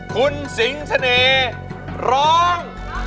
คุณสิงเสน่ห์ร้อง